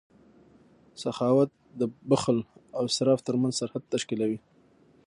سخاوت د بخل او اسراف ترمنځ سرحد تشکیلوي.